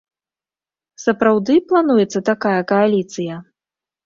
Сапраўды плануецца такая кааліцыя?